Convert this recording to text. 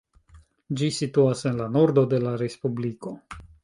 Ĝi situas en la nordo de la respubliko.